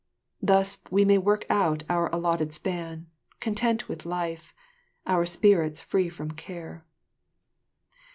Thus may we work out our allotted span, content with life, our spirits free from care."